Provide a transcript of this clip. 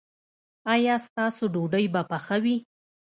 ایا ستاسو ډوډۍ به پخه وي؟